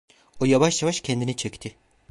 O yavaş yavaş kendini çekti.